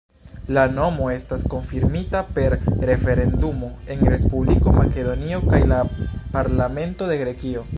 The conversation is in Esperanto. La nomo estas konfirmita per referendumo en Respubliko Makedonio kaj la parlamento de Grekio.